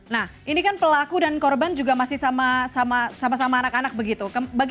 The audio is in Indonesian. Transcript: nah ini kan pelaku dan korban juga masih sama sama anak anak begitu